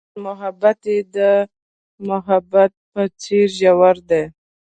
هغې وویل محبت یې د محبت په څېر ژور دی.